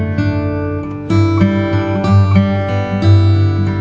saat karakter ini